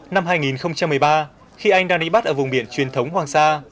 năm hai nghìn một mươi ba khi anh đang đi bắt ở vùng biển truyền thống hoàng sa